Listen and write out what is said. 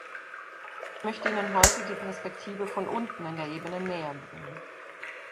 Ich möchte Ihnen heute die Perspektive von unten in der Ebene näherbringen.